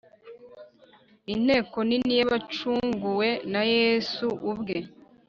Inteko nini y’ abacunguwe na Yesu ubwe!